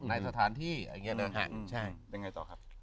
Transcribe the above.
ในสถานที่อย่างเงี้ยเนี่ยครับ